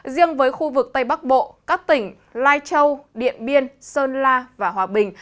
riêng với khu vực tây bắc bộ các tỉnh lai châu điện biên sơn la và hòa bình